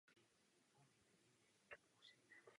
Nádherný stůl, překrásné židle, sympatická atmosféra, jako vždy.